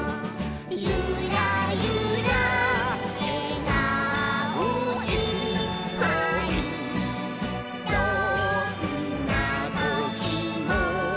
「ゆらゆらえがおいっぱいどんなときも」